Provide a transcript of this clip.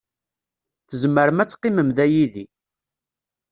Tzemrem ad teqqimem da yid-i.